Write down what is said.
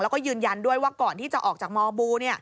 แล้วก็ยืนยันด้วยว่าก่อนที่จะออกจากมบู